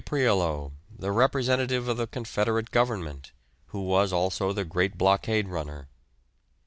Prioleau, the representative of the Confederate Government, who was also the great blockade runner.